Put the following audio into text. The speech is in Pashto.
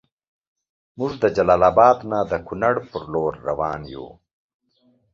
مونږ د جلال اباد نه د کونړ پر لور دروان یو